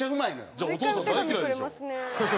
じゃあお父さん大嫌いでしょ。